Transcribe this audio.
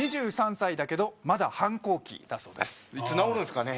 ２３歳だけどまだ反抗期だそうです。